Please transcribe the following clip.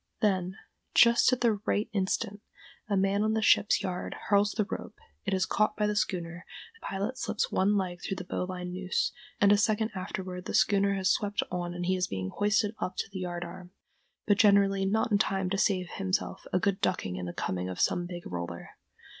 Then, just at the right instant, a man on the ship's yard hurls the rope, it is caught by the schooner, the pilot slips one leg through the bowline noose, and a second afterward the schooner has swept on and he is being hoisted up to the yard arm, but generally not in time to save himself a good ducking in the coaming of some big roller.